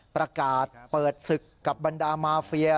ประกาศเปิดศึกกับบรรดามาเฟีย